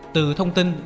từ thông tin